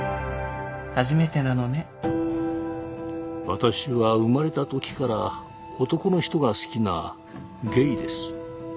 私は生まれた時から男の人が好きなゲイです。